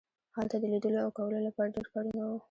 هلته د لیدلو او کولو لپاره ډیر کارونه وو